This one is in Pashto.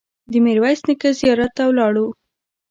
د میرویس نیکه زیارت ته ولاړو.